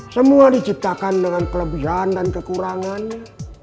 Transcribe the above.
semua diciptakan dengan kelebihan dan kekurangannya